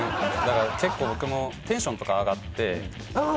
結構僕もテンションとか上がってあっ！